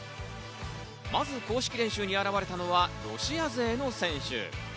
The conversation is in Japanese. まず公式練習に現れたのはロシア勢の選手。